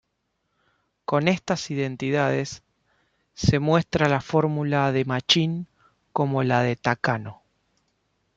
Con estas identidades, se muestra la fórmula de Machin como la de Takano;